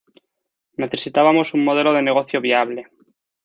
Necesitábamos un modelo de negocio viable".